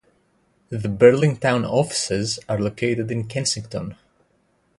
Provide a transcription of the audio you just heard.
The Berlin town offices are located in Kensington.